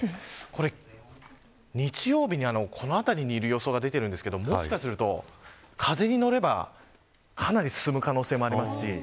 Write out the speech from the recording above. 日曜日にこの辺りにいる予想が出ていますがもしかすると、風に乗ればかなり進む可能性もあります。